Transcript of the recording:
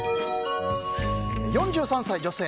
４３歳、女性。